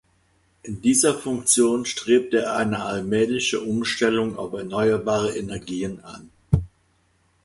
In dieser Funktion strebte er eine allmähliche Umstellung auf erneuerbare Energien an.